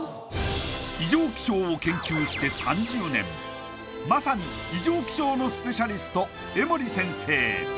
異常気象を研究して３０年まさに異常気象のスペシャリスト江守先生